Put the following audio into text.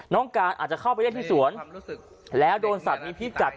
น้องการอาจจะเข้าไปได้ที่สวนแล้วโดนสัตว์มีพี่กัด